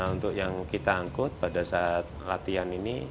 untuk yang kita angkut pada saat latihan ini